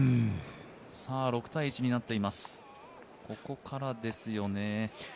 ６−１になっています、ここからですよね。